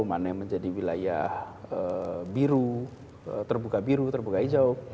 mana yang menjadi wilayah biru terbuka biru terbuka hijau